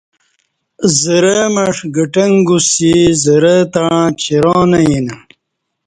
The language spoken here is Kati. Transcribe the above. زرہ معش گٹنگ گوسی زرہ تاع چیراں نہ یینہ